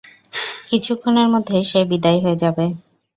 কিছুক্ষণের মধ্যে, সে বিদায় হয়ে যাবে।